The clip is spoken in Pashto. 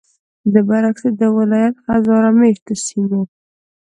ددې برعکس، ددې ولایت هزاره میشتو سیمو